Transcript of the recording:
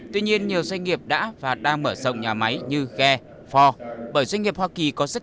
tuy nhiên nhiều doanh nghiệp đã và đang mở rộng nhà máy như ge ford bởi doanh nghiệp hoa kỳ có rất